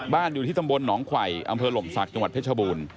อยู่ที่ตำบลหนองไขวอำเภอหล่มศักดิ์จังหวัดเพชรบูรณ์